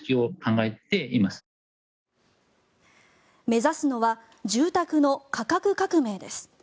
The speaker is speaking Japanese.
目指すのは住宅の価格革命です。